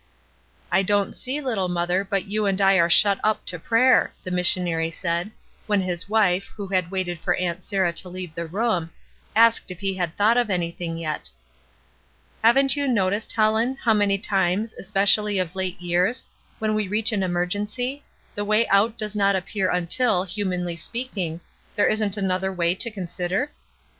"I don't see, little mother, but you and I are shut up to prayer," the missionary said, when his wife, who had waited for Aunt Sarah to leave the room, asked if he had thought of anything yet. " Haven't you noticed, Helen, how many times, especially of late years, when we reach an emer gency, the way out does not appear until, humanly speaking, there isn't another way to consider?"